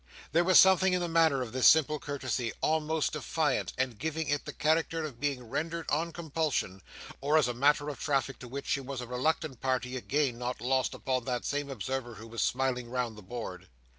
There was something in the manner of this simple courtesy: almost defiant, and giving it the character of being rendered on compulsion, or as a matter of traffic to which she was a reluctant party again not lost upon that same observer who was smiling round the board.